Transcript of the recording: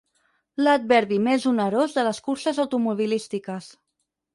L'adverbi més onerós de les curses automobilístiques.